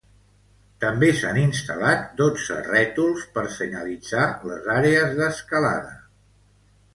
També s'han instal·lat dotze rètols per senyalitzar les àrees d'escalada.